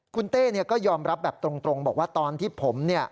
คุณเต้ก็ยอมรับแบบตรงบอกว่าตอนที่ผมเนี่ย